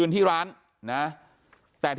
อยู่ดีมาตายแบบเปลือยคาห้องน้ำได้ยังไง